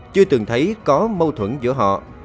chưa từng thấy có mâu thuẫn giữa họ